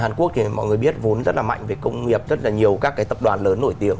hàn quốc thì mọi người biết vốn rất là mạnh về công nghiệp rất là nhiều các cái tập đoàn lớn nổi tiếng